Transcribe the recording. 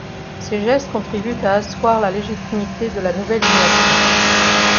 Ces gestes contribuent à asseoir la légitimité de la nouvelle dynastie.